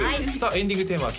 エンディングテーマは＃